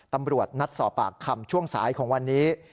ตำรวจนัดสอบปากคำช่วงสายของวันนี้